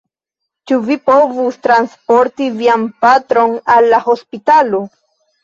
Ĉu vi povus transporti vian patron al la hospitalo?